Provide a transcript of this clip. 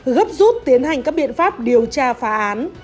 gấp rút tiến hành các biện pháp điều tra phá án